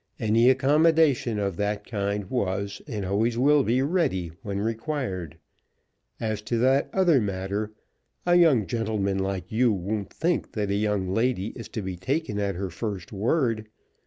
Any accommodation of that kind was and always will be ready when required. As to that other matter, a young gentleman like you won't think that a young lady is to be taken at her first word.